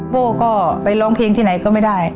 โป้ก็ไปร้องเพลงที่ไหนก็ไม่ได้